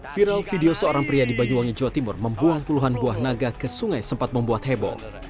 viral video seorang pria di banyuwangi jawa timur membuang puluhan buah naga ke sungai sempat membuat heboh